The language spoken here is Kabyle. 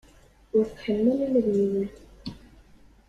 Ur tḥemmel ula d yiwen.